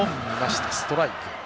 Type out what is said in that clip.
ストライク。